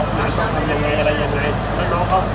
แบบหลายมาเดี๋ยวเราจะตงใจ